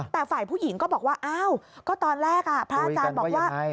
แต่ฝ่ายผู้หญิงก็บอกว่าอ้าวก็ตอนแรกพระอาจารย์บอกว่า